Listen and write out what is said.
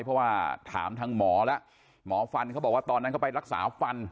เพราะว่าถามทางหมอแล้วหมอฟันเขาบอกว่าตอนนั้นเขาไปรักษาฟัน